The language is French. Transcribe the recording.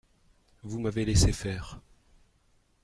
Vous m'avez laissé faire.